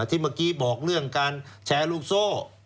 ที่เมื่อกี้บอกเรื่องการแชร์ลูกโซ่